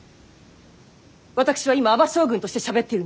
私は今尼将軍としてしゃべっているのです。